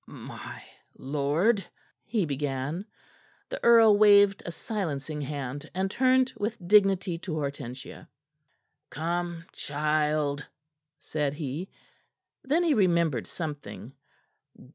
"My lord " he began. The earl waved a silencing hand, and turned with dignity to Hortensia. "Come, child," said he. Then he remembered something.